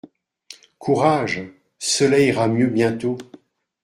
«Courage !… cela ira mieux bientôt.